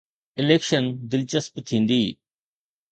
Election دلچسپ ٿيندي.